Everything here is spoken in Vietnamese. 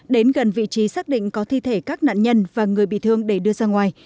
đến gần vị trí xác định có thi thể các nạn nhân và người bị thương để đưa ra ngoài